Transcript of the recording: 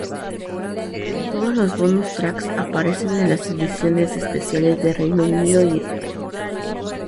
Todos los bonus tracks aparecen en las ediciones especiales de Reino Unido y España.